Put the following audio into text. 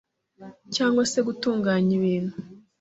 cyangwa se gutunganya ibintu,